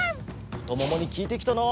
ふとももにきいてきたな。